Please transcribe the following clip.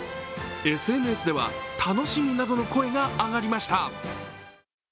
ＳＮＳでは楽しみなどの声が上がりました。